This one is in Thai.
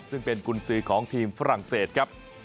ซึ่งเป็นกุญสือของทีมฝรั่งเศสครับ